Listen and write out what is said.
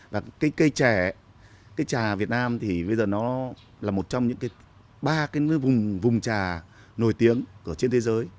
và cây trà việt nam thì bây giờ nó là một trong những ba cái vùng trà nổi tiếng trên thế giới